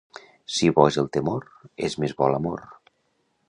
Si bo és el temor, és més bo l'amor.